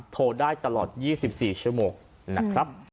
๐๙๘๙๓๗๓๓๔๓โทรได้ตลอด๒๔ชั่วโมงนะครับ